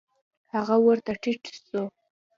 هغه ورته ټيټ سو.